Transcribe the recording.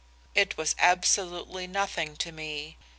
It was absolutely nothing to me.